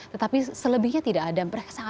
tetapi selebihnya tidak ada